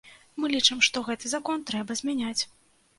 Мы лічым, што гэты закон трэба змяняць.